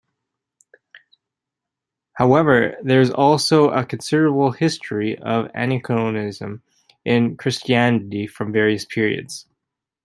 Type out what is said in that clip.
However, there is also a considerable history of aniconism in Christianity from various periods.